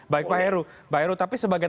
baik pak heru pak heru tapi sebagai